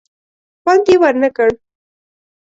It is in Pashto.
خوند یې ور نه کړ.